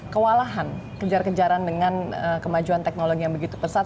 kewalahan kejar kejaran dengan kemajuan teknologi yang begitu pesat